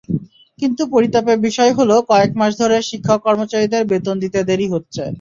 কিন্তু পরিতাপের বিষয় হলো, কয়েক মাস ধরে শিক্ষক-কর্মচারীদের বেতন দিতে দেরি হচ্ছে।